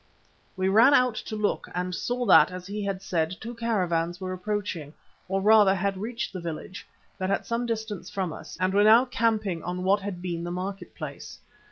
We ran out to look and saw that, as he had said, two caravans were approaching, or rather had reached the village, but at some distance from us, and were now camping on what had once been the market place.